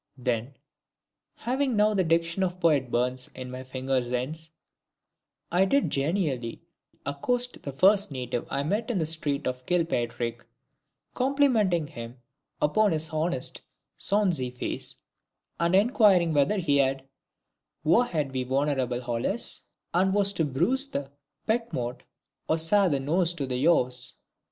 "] Then (having now the diction of Poet BURNS in my fingers' ends) I did genially accost the first native I met in the street of Kilpaitrick, complimenting him upon his honest, sonsie face, and enquiring whether he had wha haed wi' Hon'ble WALLACE, and was to bruise the Peckomaut, or ca' the knowes to the yowes.